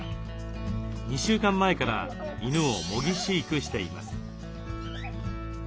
２週間前から犬を模擬飼育しています。